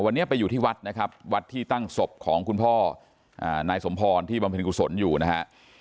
วันนี้ไปอยู่ที่วัดนะครับวัดที่ตั้งศพของคุณพ่อนายสมพรที่บำเพ็ญกุศลอยู่นะฮะ